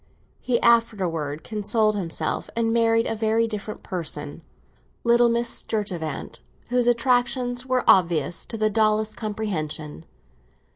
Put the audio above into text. He afterwards consoled himself, and married a very different person, little Miss Sturtevant, whose attractions were obvious to the dullest comprehension.